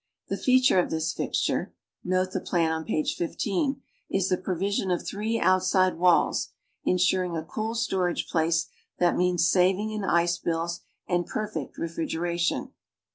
The feature of this fixture (note the plan on page 13) is the provision of three outside walls, insuring a cool storage place that means saving in ice bills and perfect refrigeration.